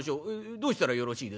どうしたらよろしいですかな？」。